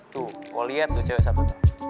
tuh gue liat tuh cewek satu